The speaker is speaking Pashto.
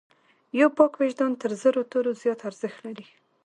یو پاک وجدان تر زرو تورو زیات ارزښت لري.